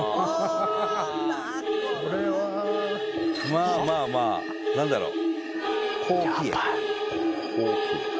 まあまあまあなんだろう？